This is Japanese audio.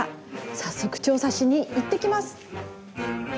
早速、調査しに行ってきます。